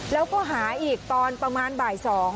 แล้วก็หาอีกตอนประมาณบ่าย๒